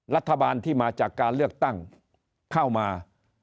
รัฐบาลที่มาจากการเลือกตั้งเข้ามา